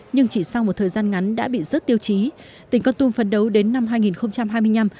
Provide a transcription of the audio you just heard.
nhưng chỉ sau một thời gian ngắn đã bị rớt tiêu chí tỉnh con tum phấn đấu đến năm hai nghìn hai mươi năm